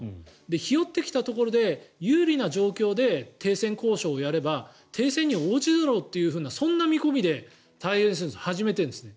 ひよってきたところで有利な状況で停戦交渉をやれば停戦に応じるだろうというそんな見込みで太平洋戦争を始めているんですね。